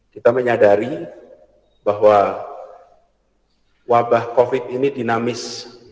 kita menyadari bahwa wabah covid ini dinamis